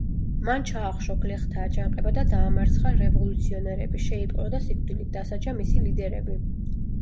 მან ჩაახშო გლეხთა აჯანყება და დაამარცხა რევოლუციონერები, შეიპყრო და სიკვდილით დასაჯა მისი ლიდერები.